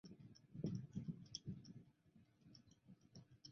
拉莫斯猪笼草是菲律宾棉兰老岛东北部特有的热带食虫植物。